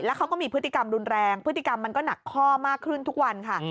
เขาก็มีพฤติกรรมรุนแรงพฤติกรรมมันก็หนักข้อมากขึ้นทุกวันค่ะ